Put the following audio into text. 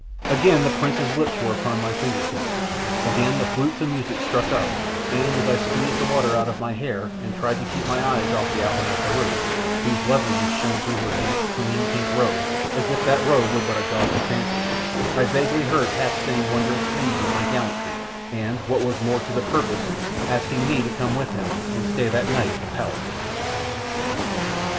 Again the prince's lips were on my fingertips; again the flutes and music struck up; and as I squeezed the water out of my hair, and tried to keep my eyes off the outline of Heru, whose loveliness shone through her damp, clinging, pink robe, as if that robe were but a gauzy fancy, I vaguely heard Hath saying wondrous things of my gallantry, and, what was more to the purpose, asking me to come with him and stay that night at the palace.